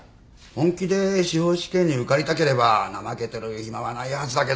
本気で司法試験に受かりたければ怠けてる暇はないはずだけど。